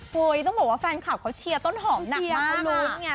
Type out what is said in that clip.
เฮ้ยต้องบอกว่าแฟนคลับเขาเชียร์ต้นหอมหนักมาก